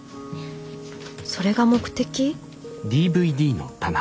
それが目的？